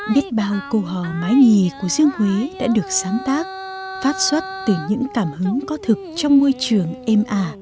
biết bao câu hò mái nhì của riêng huế đã được sáng tác phát xuất từ những cảm hứng có thực trong môi trường êm ả